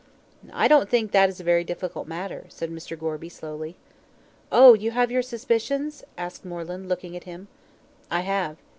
"I don't think that is a very difficult matter," said Mr. Gorby, slowly. "Oh, you have your suspicions?" asked Moreland, looking at him. "I have."